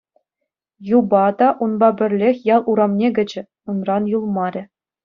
Юпа та унпа пӗрлех ял урамне кӗчӗ, унран юлмарӗ.